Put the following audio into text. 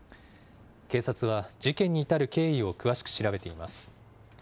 警察は事件に至る経緯を詳しく調べています。